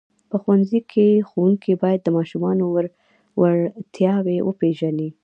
په ښوونځیو کې ښوونکي باید د ماشومانو وړتیاوې وپېژني.